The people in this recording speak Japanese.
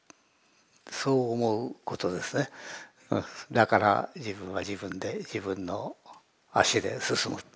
だから自分は自分で自分の足で進む。